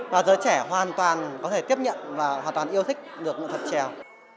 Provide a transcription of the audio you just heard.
và giới trẻ hoàn toàn có thể tiếp nhận và hoàn toàn yêu thích được nghệ thuật trèo